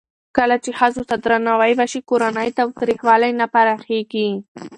کله چې ښځو ته درناوی وشي، کورنی تاوتریخوالی نه پراخېږي.